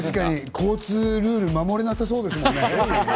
交通ルール守れなそうですもんね。